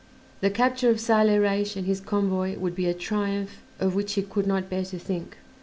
The capture of Saleh Reis and his convoy would be a triumph of which he could not bear to think.